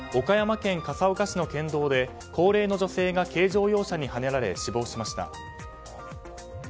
岡山県笠岡市の県道で高齢の女性が軽乗用車にはねられ死亡しました。